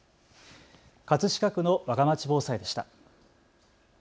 葛飾区のわがまち防災でした。